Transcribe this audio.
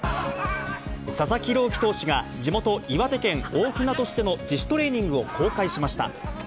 佐々木朗希投手が、地元、岩手県大船渡市での自主トレーニングを公開しました。